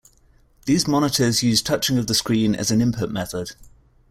These monitors use touching of the screen as an input method.